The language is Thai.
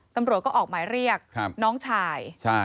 ตำรวจก็ออกหมายเรียกน้องชาย